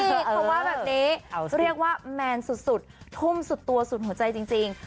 นี่เขาว่าแบบนี้เรียกว่าแมนสุดทุ่มสุดตัวสุดหัวใจจริง